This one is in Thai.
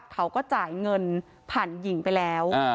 เขาก็จ่ายเงินผ่านหญิงไปแล้ว